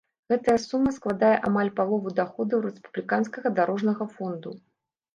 Гэтая сума складзе амаль палову даходаў рэспубліканскага дарожнага фонду.